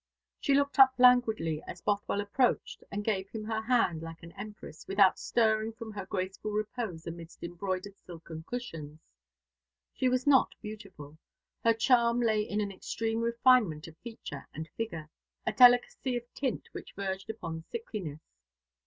She looked up languidly as Bothwell approached, and gave him her hand, like an empress, without stirring from her graceful repose amidst embroidered silken cushions. She was not beautiful. Her charm lay in an extreme refinement of feature and figure, a delicacy of tint which verged upon sickliness.